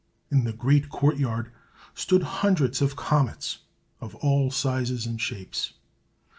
In the great court yard stood hundreds of comets, of all sizes and shapes.